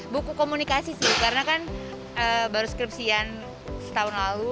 buku komunikasi sih karena kan baru skripsian setahun lalu